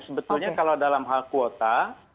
sebetulnya kalau dalam hal kuota